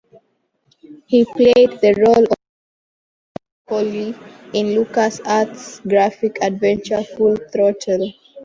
He played the role of old Malcolm Corley in LucasArts' graphic adventure "Full Throttle".